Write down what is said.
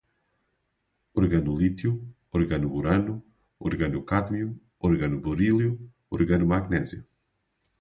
organolítio, organoborano, organocádmio, organoberílio, organomagnésio